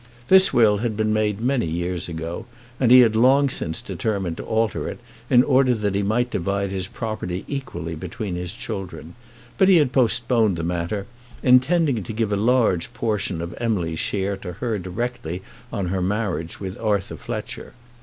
This will had been made many years ago, and he had long since determined to alter it, in order that he might divide his property equally between his children; but he had postponed the matter, intending to give a large portion of Emily's share to her directly on her marriage with Arthur Fletcher.